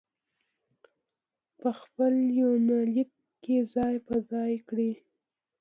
په خپل يونليک کې ځاى په ځاى کړي